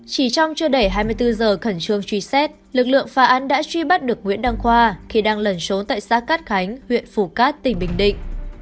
chỉ trong chưa đầy hai mươi bốn giờ khẩn trương truy xét lực lượng phá án đã truy bắt được nguyễn đăng khoa khi đang lẩn trốn tại xã cát khánh huyện phủ cát tỉnh bình định